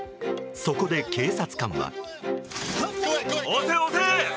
そこで警察官は。